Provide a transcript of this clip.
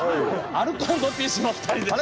アルコ＆ピースのお二人です。